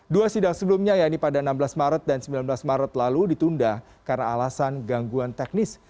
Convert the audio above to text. dua sidang sebelumnya yaitu pada enam belas maret dan sembilan belas maret lalu ditunda karena alasan gangguan teknis